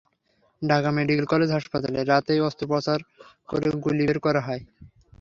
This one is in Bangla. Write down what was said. ঢাকা মেডিকেল কলেজ হাসপাতালে রাতেই অস্ত্রোপচার করে গুলি বের করা হয়।